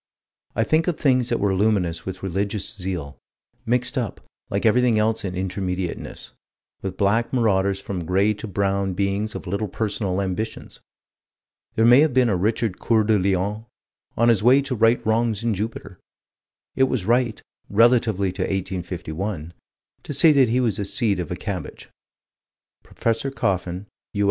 I think of things that were luminous with religious zeal, mixed up, like everything else in Intermediateness, with black marauders and from gray to brown beings of little personal ambitions. There may have been a Richard Coeur de Lion, on his way to right wrongs in Jupiter. It was right, relatively to 1851, to say that he was a seed of a cabbage. Prof. Coffin, U.